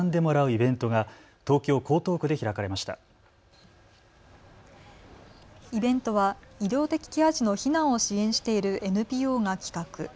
イベントは医療的ケア児の避難を支援しているＮＰＯが企画。